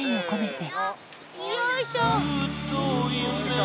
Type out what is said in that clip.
よいしょ！